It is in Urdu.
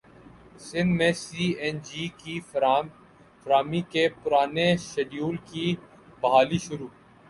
سندھ میں سی این جی کی فراہمی کے پرانے شیڈول کی بحالی شروع